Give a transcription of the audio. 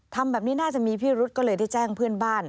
ทำแบบนี้น่าจะมีพิรุษก็เลยได้แจ้งเพื่อนบ้าน